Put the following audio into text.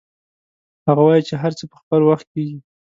هغه وایي چې هر څه په خپل وخت کیږي